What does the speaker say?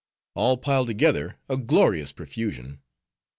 All piled together, glorious profusion!